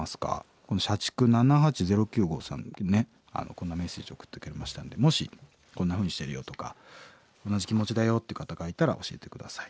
社畜７８０９号さんこんなメッセージ送ってくれましたんでもしこんなふうにしてるよとか同じ気持ちだよっていう方がいたら教えて下さい。